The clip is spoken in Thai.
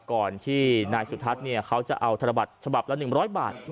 ก่อนที่นายสุทัศน์เขาจะเอาธนบัตรฉบับละ๑๐๐บาท